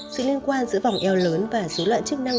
sự liên quan giữa vòng eo lớn và dối loạn chức năng cương dương